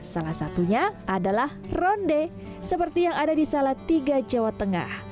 salah satunya adalah ronde seperti yang ada di salatiga jawa tengah